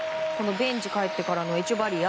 ベンチにかえってからのエチェバリア。